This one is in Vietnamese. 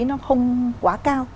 nó không quá cao